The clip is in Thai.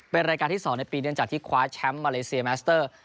เป็นรายการที่๒ในปีเนื่องจากที่คว้าแชมป์มาเลเซียแมสเตอร์